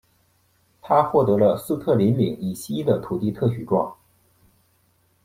他获得了斯特林岭以西的土地特许状。